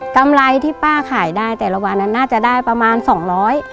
กำไรที่ป้าขายได้แต่ละวันนั้นน่าจะได้ประมาณสองร้อย